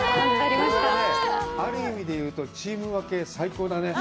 ある意味でいうとチーム分け最高だね